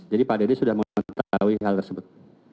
jadi pak dedy sudah mengetahui hal tersebut